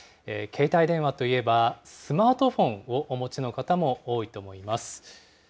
携帯電話といえば、スマートフォンをお持ちの方も多いと思います。